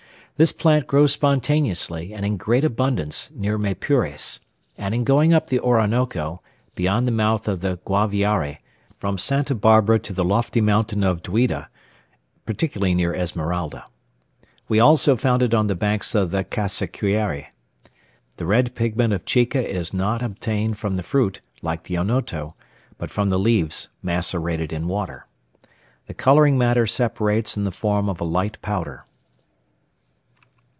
This plant grows spontaneously, and in great abundance, near Maypures; and in going up the Orinoco, beyond the mouth of the Guaviare, from Santa Barbara to the lofty mountain of Duida, particularly near Esmeralda. We also found it on the banks of the Cassiquiare. The red pigment of chica is not obtained from the fruit, like the onoto, but from the leaves macerated in water. The colouring matter separates in the form of a light powder.